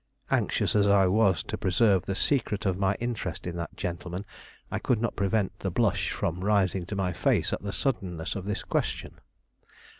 Anxious as I was to preserve the secret of my interest in that gentleman, I could not prevent the blush from rising to my face at the suddenness of this question.